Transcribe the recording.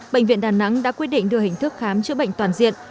bệnh viện đà nẵng đã quyết định đưa hình thức khám chữa bệnh toàn diện